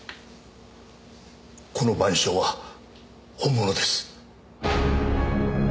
この『晩鐘』は本物です。